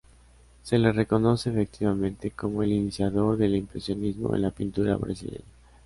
Se le reconoce, efectivamente, como el iniciador del impresionismo en la pintura brasileña.